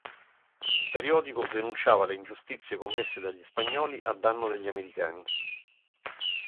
Il periodico denunciava le ingiustizie commesse dagli spagnoli a danno degli americani.